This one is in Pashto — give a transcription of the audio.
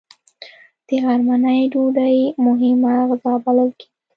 د غرمنۍ ډوډۍ مهمه غذا بلل کېږي